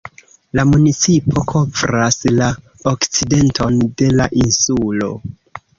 La municipo kovras la okcidenton de la insulo.